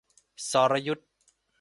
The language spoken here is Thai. สรยุทธ